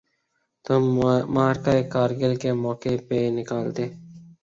تو معرکہ کارگل کے موقع پہ نکالتے۔